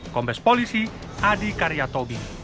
kombes polisi adi karyatobi